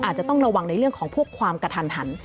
อาจจะต้องระวังในเรื่องของพวกความกระทันหัน